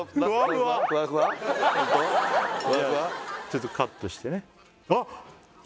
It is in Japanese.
ちょっとカットしてねあっ